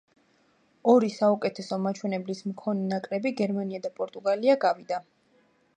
ორი საუკეთესო მაჩვენებლის მქონე ნაკრები, გერმანია და პორტუგალია, გავიდა.